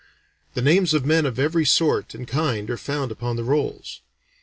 The names of men of every sort and kind are found upon the rolls.